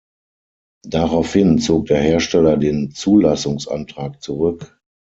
Daraufhin zog der Hersteller den Zulassungsantrag zurück.